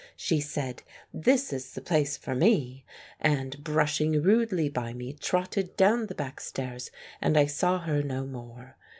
She said, "This is the place for me," and brushing rudely by me trotted down the biick stairs and I saw her no more.